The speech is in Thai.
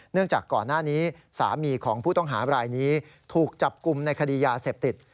จากก่อนหน้านี้สามีของผู้ต้องหาบรายนี้ถูกจับกลุ่มในคดียาเสพติด